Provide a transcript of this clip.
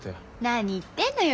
何言ってんのよ